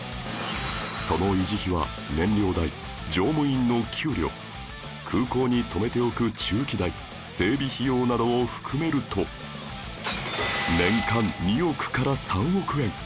その維持費は燃料代乗務員の給料空港に止めておく駐機代整備費用などを含めると年間２億から３億円